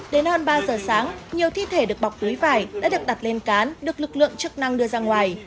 đến hơn ba giờ sáng nhiều thi thể được bọc túi vải đã được đặt lên cán được lực lượng chức năng đưa ra ngoài